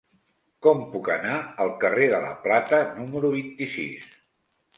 Com puc anar al carrer de la Plata número vint-i-sis?